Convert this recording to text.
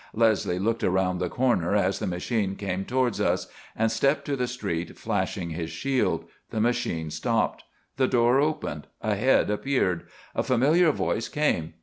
Leslie looked around the corner as the machine came towards us, and stepped to the street, flashing his shield. The machine stopped. The door opened. A head appeared. A familiar voice came.